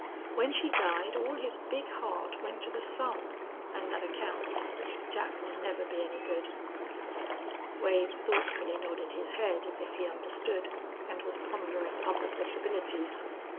When she died all his big heart went to the son, an' thet accounts. Jack will never be any good." Wade thoughtfully nodded his head, as if he understood, and was pondering other possibilities.